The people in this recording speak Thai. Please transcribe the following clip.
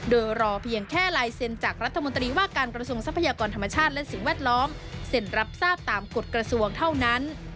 โดยรอเพียงแค่ลายเซ็นจากรัฐมนตรีว่าการกระทรวงทรัพยากรธรรมชาติและสิ่งแวดล้อมเซ็นรับทราบตามกฎกระทรวงเท่านั้น